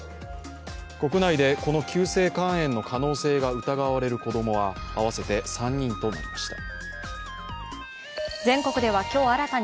国内でこの急性肝炎の可能性が疑われる子供は合わせて３人となりました。